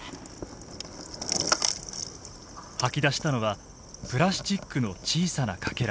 吐き出したのはプラスチックの小さなかけら。